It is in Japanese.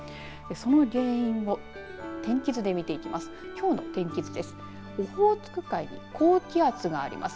その原因を天気図で見ていきます。